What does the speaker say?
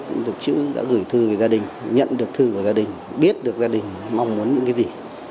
cũng được chữ đã gửi thư về gia đình nhận được thư của gia đình biết được gia đình mong muốn những cái gì